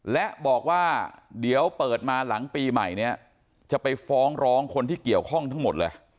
และบอกว่าเดี๋ยวเปิดมาหลังปีใหม่เนี่ยจะไปฟ้องร้องคนที่เกี่ยวข้องทั้งหมดเลย